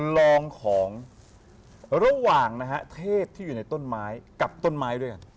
ลองของระหว่างนะฮะเทศที่อยู่ในต้นไม้กับต้นไม้ด้วยกัน